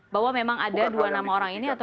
bahwa memang ada dua nama orang lainnya ya